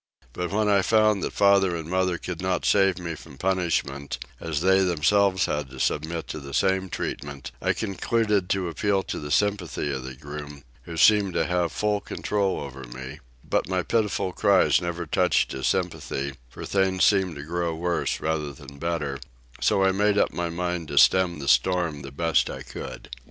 But when I found that father and mother could not save me from punishment, as they themselves had to submit to the same treatment, I concluded to appeal to the sympathy of the groom, who seemed to have full control over me; but my pitiful cries never touched his sympathy, for things seemed to grow worse rather than better; so I made up my mind to stem the storm the best I could.